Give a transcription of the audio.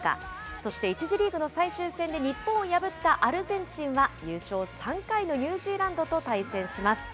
そして１次リーグの最終戦で日本を破ったアルゼンチンは、優勝３回のニュージーランドと対戦します。